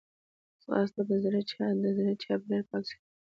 ځغاسته د زړه چاپېریال پاک ساتي